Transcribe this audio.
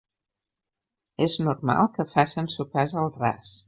És normal que facen sopars al ras.